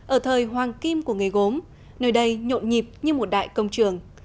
ở thời hoàng kim của nghề gốm nơi đây nhộn nhịp như một đại công trường